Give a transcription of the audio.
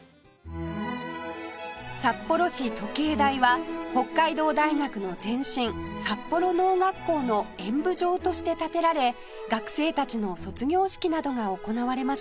札幌市時計台は北海道大学の前身札幌農学校の演武場として建てられ学生たちの卒業式などが行われました